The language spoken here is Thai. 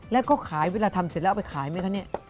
แล้วก็ขายเวลาทำเสร็จแล้วเอาไปขายไหมคะเนี่ย